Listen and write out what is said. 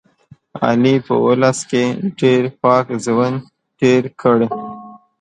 علي په اولس کې ډېر پاک ژوند تېر کړ.